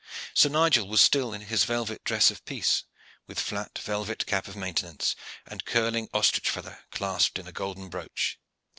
Sir Nigel was still in his velvet dress of peace, with flat velvet cap of maintenance, and curling ostrich feather clasped in a golden brooch.